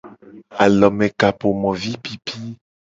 Alomekapomovipipi.